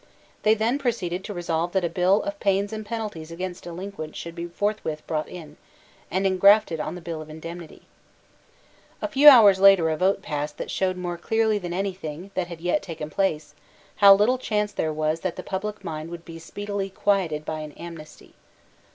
They then proceeded to resolve that a bill of pains and penalties against delinquents should be forthwith brought in, and engrafted on the Bill of Indemnity, A few hours later a vote passed that showed more clearly than any thing that had yet taken place how little chance there was that the public mind would be speedily quieted by an amnesty.